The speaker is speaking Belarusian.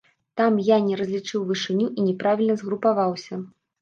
Там я не разлічыў вышыню і няправільна згрупаваўся.